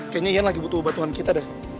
kayaknya yan lagi butuh bantuan kita deh